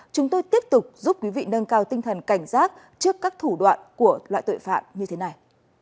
chúng tôi tiếp tục giúp quý vị nâng cao tinh thần cảnh giác trước các thủ đoạn của loại tội phạm như thế này